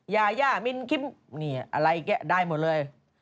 ยาย่ามินคิมนี่อะไรแกะได้หมดเลย